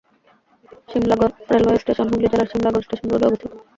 Simlagarh railway station Hooghly জেলার Simlagarh station রোডে অবস্থিত।